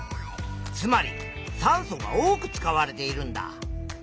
つまり酸素が多く使われているんだ！